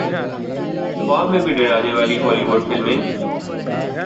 خواب میں بھی ڈرانے والی بولی وڈ فلمیں